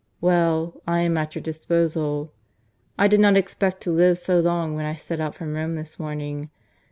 Well, I am at your disposal. I did not expect to live so long when I set out from Rome this morning.